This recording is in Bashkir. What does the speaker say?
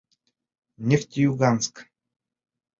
Нефтеюганск!..